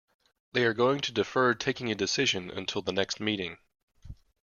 They are going to defer taking a decision until the next meeting.